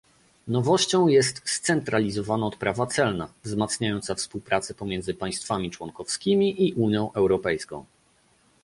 Nowością jest scentralizowana odprawa celna, wzmacniająca współpracę pomiędzy państwami członkowskimi i Unią Europejską